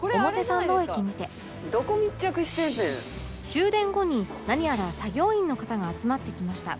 終電後に何やら作業員の方が集まってきました